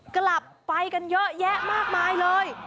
กลับไปกันเยอะแยะมากมายเลย